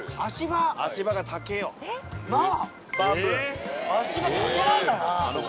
なあ足場竹なんだな。